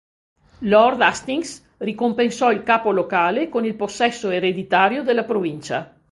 Lord Hastings ricompensò il capo locale con il possesso ereditario della provincia.